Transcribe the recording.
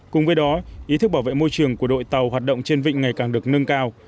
cùng với đó ý thức bảo vệ môi trường của đội tàu hoạt động trên vịnh ngày càng được nâng cao